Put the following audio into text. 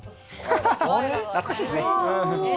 懐かしいっすね。